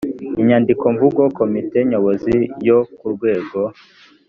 inyandikomvugo komite nyobozi yo ku rwego